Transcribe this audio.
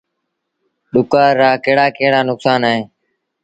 ڏُڪآر رآ ڪهڙآ ڪهڙآ نڪسآݩ اهيݩ۔